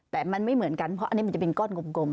แต่มันไม่เหมือนกันเพราะอันนี้มันจะเป็นก้อนกลม